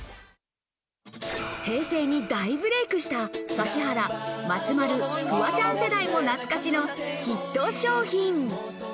平成に大ブレイクした指原、松丸、フワちゃん世代も懐かしのヒット商品。